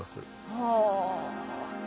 はあ。